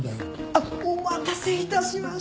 あっお待たせいたしました。